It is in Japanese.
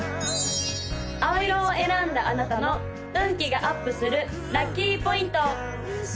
青色を選んだあなたの運気がアップするラッキーポイント！